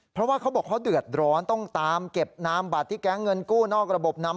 เพราะว่าเขาบอกเขาเดือดร้อนต้องตามเก็บนามบัตรที่แก๊งเงินกู้นอกระบบนำ